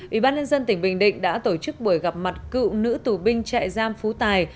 ủy ban nhân dân tỉnh bình định đã tổ chức buổi gặp mặt cựu nữ tù binh trại giam phú tài